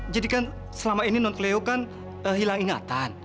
jadi kan selama ini non cleo kan hilang ingatan